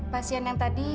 pasien yang tadi